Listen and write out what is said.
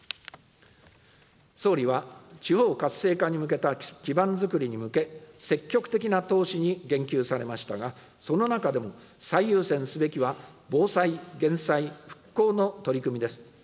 総理は地方活性化に向けた基盤づくりに向け、積極的な投資に言及されましたが、その中でも最優先すべきは防災・減災・復興の取り組みです。